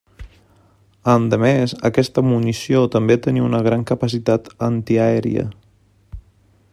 Endemés, aquesta munició també tenia una gran capacitat antiaèria.